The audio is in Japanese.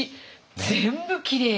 全部きれいに。